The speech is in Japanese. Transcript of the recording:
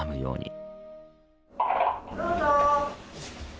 どうぞ。